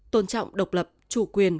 tôn trọng độc lập chủ quyền